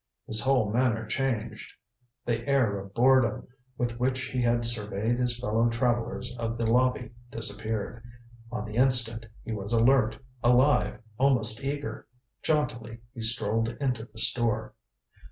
His whole manner changed. The air of boredom with which he had surveyed his fellow travelers of the lobby disappeared; on the instant he was alert, alive, almost eager. Jauntily he strolled into the store.